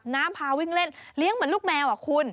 พาวิ่งเล่นเลี้ยงเหมือนลูกแมวคุณ